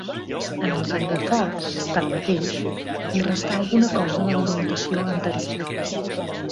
En els aiguaforts, tanmateix, hi restà alguna cosa de l'orientació anterior.